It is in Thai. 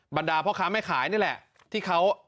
บรรดาพ่อค้าแม่ขายนี่แหละที่เขา